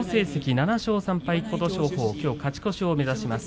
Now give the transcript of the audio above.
７勝３敗の琴勝峰はきょう勝ち越しを目指します。